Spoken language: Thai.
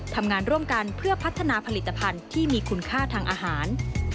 ทำงานร่วมกันเพื่อพัฒนาผลิตภัณฑ์ที่มีคุณค่าทางอาหาร